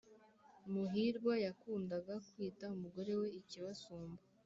Muhirwa yakundaga kwita umugore we ikibasumba